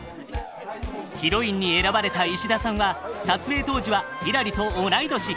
ヒロインに選ばれた石田さんは撮影当時はひらりと同い年。